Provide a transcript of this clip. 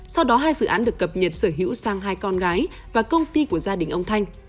sau đó hai dự án được cập nhật sở hữu sang hai con gái và công ty của gia đình ông thanh